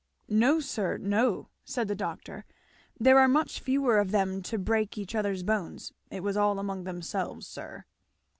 "No sir, no," said the doctor; "there are much fewer of them to break each other's bones. It was all among themselves, sir."